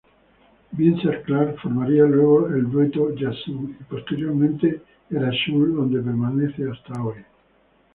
Vince Clarke formaría luego el dueto Yazoo y posteriormente Erasure donde permanece hasta hoy.